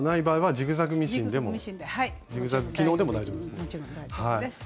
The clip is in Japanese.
ジグザグ機能でも大丈夫ですね。